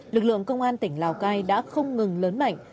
lực lượng công an tỉnh lào cai đã không ngừng lớn mạnh